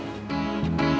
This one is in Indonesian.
aku gak berani